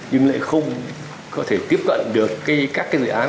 nhưng lại không có thể tiếp cận được các cái dự án